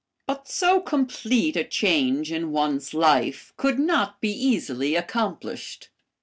But so complete a change in one's life could not be easily accomplished.